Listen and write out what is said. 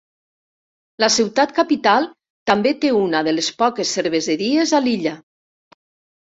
La ciutat capital també té una de les poques cerveseries a l'illa.